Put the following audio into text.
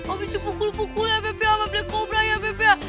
abis itu pukul pukul ya bba sama black cobra ya bba